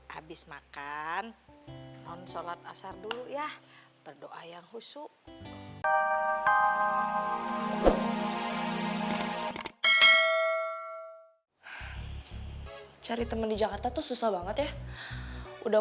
habis makan non sholat asar dulu ya berdoa yang husu cari temen di jakarta tuh susah banget ya udah